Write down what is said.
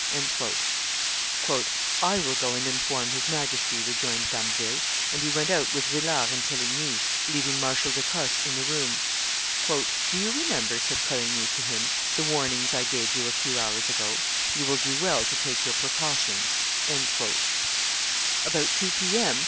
"I will go and inform his Majesty, ..." rejoined Damville; and he went out with Villars and Teligny, leaving Marshal de Cosse in the room. "Do you remember," said Coligny to him, "the warnings I gave you a few hours ago? You will do well to take your precautions." About two P. M.